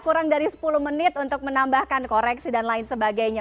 kurang dari sepuluh menit untuk menambahkan koreksi dan lain sebagainya